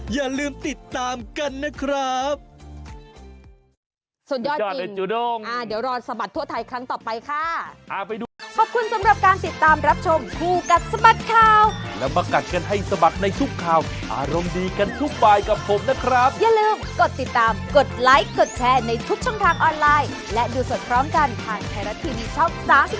อย่าลืมติดตามกันนะครับ